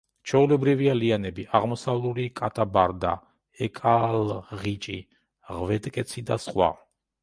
ჩვეულებრივია ლიანები: აღმოსავლური კატაბარდა, ეკალღიჭი, ღვედკეცი და სხვა.